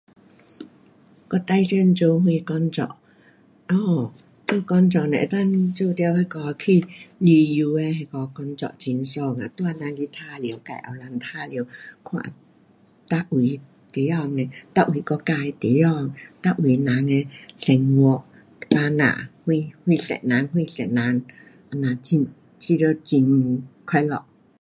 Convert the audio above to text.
我最想做什工作，哦，做工作若能够做到那个去旅游的那个工作那很爽啊，带人去玩耍，自有倘玩耍，看每位地方，每位国家的地方，每位人的生活，百姓什，什色人，什色人。这样很，觉得很快乐。